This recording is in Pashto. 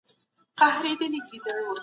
د الله تعالی حقونه خورا مهم دي.